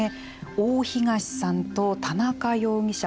大東さんと田中容疑者